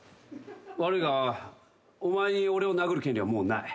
悪いがお前に俺を殴る権利はもうない。